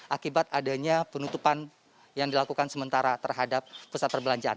akibat adanya penutupan yang dilakukan sementara terhadap pusat perbelanjaan